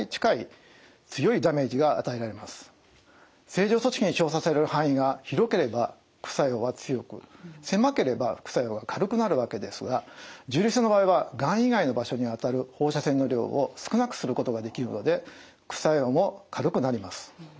正常組織に照射される範囲が広ければ副作用は強く狭ければ副作用が軽くなるわけですが重粒子線の場合にはがん以外の場所に当たる放射線の量を少なくすることができるので副作用も軽くなります。